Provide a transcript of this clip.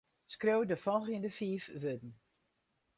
Skriuw de folgjende fiif wurden.